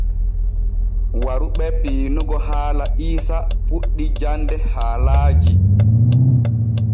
Waru ɓe piinugo haala Iisa puɗɗi jande haalaaji.